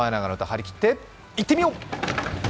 張り切っていってみよう！